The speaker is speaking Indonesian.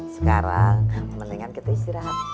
sekarang mendingan kita istirahat